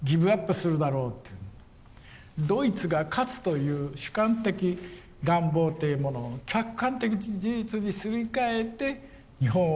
ドイツが勝つという主観的願望というものを客観的事実にすり替えて日本は戦争をする。